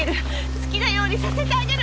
好きなようにさせてあげる。